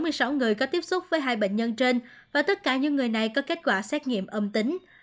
có một người có tiếp xúc với hai bệnh nhân trên và tất cả những người này có kết quả xét nghiệm âm tính